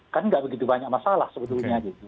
kan tidak begitu banyak masalah sebetulnya